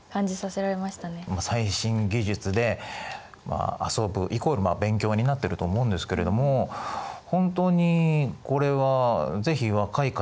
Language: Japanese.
最新技術で遊ぶイコール勉強になっていると思うんですけれども本当にこれは是非若い方たちにやっていただきたい。